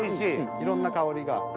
いろんな香りが。